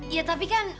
iya tapi kan